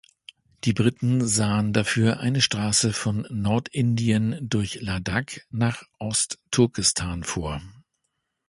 Die Briten sahen dafür eine Straße von Nordindien durch Ladakh nach Ostturkestan vor.